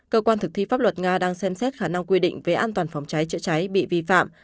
cơ quan thực thi pháp luật nga đang xem xét khả năng quy định về an toàn phòng cháy chữa cháy bị vi phạm